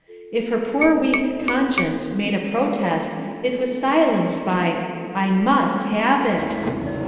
If her poor weak conscience made a protest it was silenced by "I must have it."